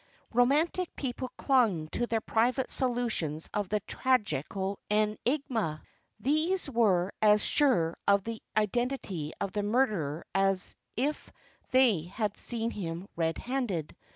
Romantic people clung to their private solutions of the tragical enigma. These were as sure of the identity of the murderer as if they had seen him red handed.